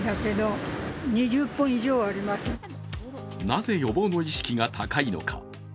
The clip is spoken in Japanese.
なぜ、予防の意識が高いのか。